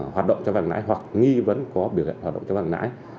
hoạt động cho văn ngãi hoặc nghi vấn có biểu hiện hoạt động cho văn ngãi